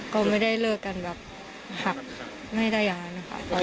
ก็ไม่ได้เลิกกันแบบหักไม่ได้ย้าน